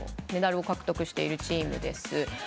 メダルを獲得しているチームです。